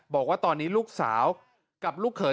บอกว่าตอนนี้ลูกสาวกับลูกเขย